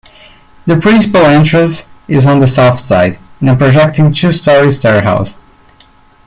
The principal entrance is on the south side, in a projecting two-story stairhouse.